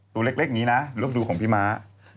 ตัวเล็กนี้นะรูปดูของพี่ม้า